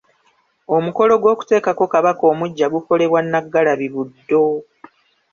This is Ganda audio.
Omukolo gw'okutekako kabaka omuggya gukolebwa Nnaggalabi- Buddo.